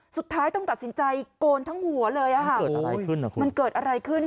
สุดท้ายต้องตัดสินใจโกนทั้งหัวเลยอ่ะค่ะเกิดอะไรขึ้นนะคุณมันเกิดอะไรขึ้น